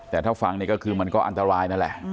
แต่ถ้าฟังนี่ก็คือมันก็อันตรายนั่นแหละ